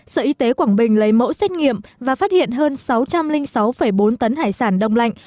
sở y tế quảng bình lấy mẫu xét nghiệm và phát hiện hơn sáu trăm linh sáu bốn tấn hải sản đông lạnh